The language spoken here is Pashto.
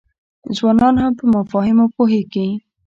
ځوانان هم په مفاهیمو پوهیږي.